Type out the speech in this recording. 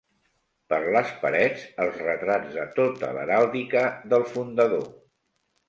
Per les parets, els retrats de tota l'heràldica del fundador